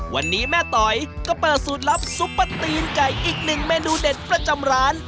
วันนี้แม่ต๋อยก็เปิดสูตรลับซุปเปอร์ตีนไก่อีกหนึ่งเมนูเด็ดประจำร้าน